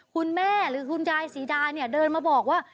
คุณแม่หรือคุณยายสีดาเดินมาบอกว่า